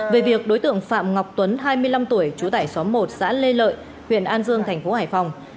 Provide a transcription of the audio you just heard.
về việc đối tượng phạm ngọc tuấn hai mươi năm tuổi trú tại xóm một xã lê lợi huyện an dương thành phố hải phòng